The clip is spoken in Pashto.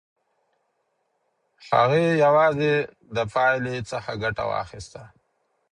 هغې یوازې د پایلې څخه ګټه واخیسته.